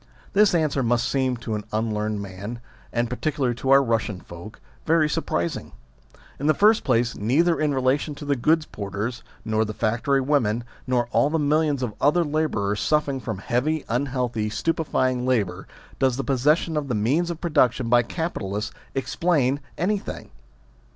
This answer must seem to an unlearned man, and particularly to our Eussian folk, very surpris ing. In the first place, neither in relation to the goods porters nor the factory women, nor all the millions of other labourers suffering from heavy, unhealthy, stupefying labour, does the possession of the means of production by capi talists explain anything.